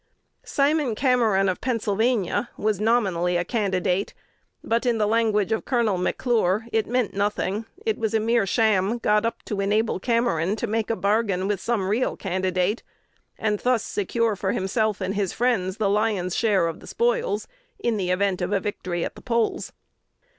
Simon Cameron of Pennsylvania was nominally a candidate; but, in the language of Col. McClure, "it meant nothing:" it was a mere sham, got up to enable Cameron to make a bargain with some real candidate, and thus secure for himself and his friends the lion's share of the spoils in the event of a victory at the polls.